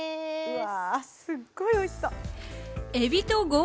わあすごいおいしそう！